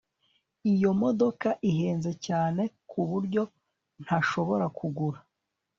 Iyo modoka ihenze cyane ku buryo ntashobora kugura